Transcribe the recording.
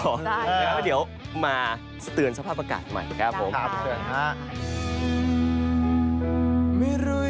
แล้วเดี๋ยวมาเตือนสภาพประกาศใหม่ครับผม